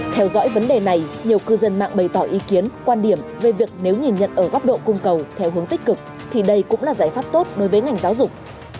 theo dõi vấn đề này nhiều cư dân mạng bày tỏ ý kiến quan điểm về việc nếu nhìn nhận ở góc độ cung cầu theo hướng tích cực thì đây cũng là giải pháp tốt đối với ngành giáo dục